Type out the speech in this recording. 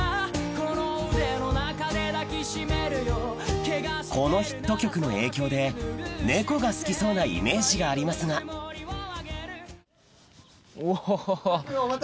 この腕の中で抱きしめるよこのヒット曲の影響で猫が好きそうなイメージがありますがおぉ。